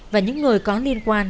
và những người có liên quan